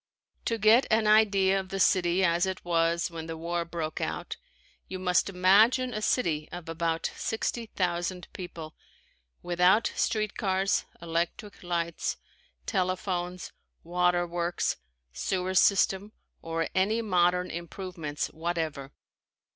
To get an idea of the city as it was when the war broke out you must imagine a city of about sixty thousand people, without street cars, electric lights, telephones, waterworks, sewer system or any modern improvements whatever.